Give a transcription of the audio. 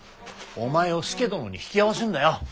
お前を佐殿に引き合わせんだよ。